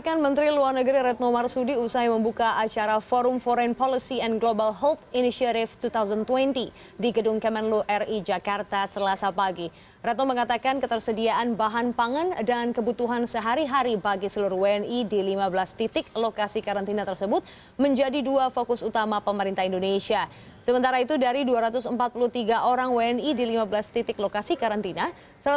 kementerian luar negeri menyebut pemerintah republik indonesia memberikan perhatian besar terhadap kesehatan dan keselamatan seluruh wni di tiongkok